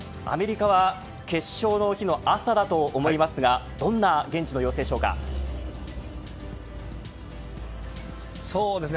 アメリカは決勝の日の朝だと思いますがそうですね。